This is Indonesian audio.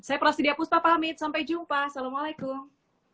saya prasidya puspa pamit sampai jumpa assalamualaikum